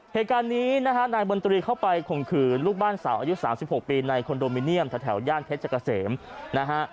เหตุการณ์นี้นะฮะนายบนตรีเข้าไปข่มขืนลูกบ้านสาวอายุ๓๖ปีในคอนโดมิเนียมแถวย่านเพชรเกษมนะฮะ